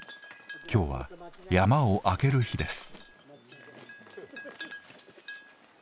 今日は山を開ける日です。